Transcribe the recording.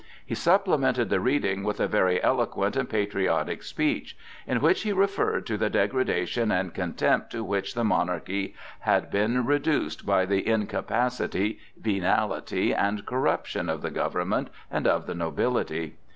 He supplemented the reading with a very eloquent and patriotic speech, in which he referred to the degradation and contempt to which the monarchy had been reduced by the incapacity, venality and corruption of the government and of the nobility.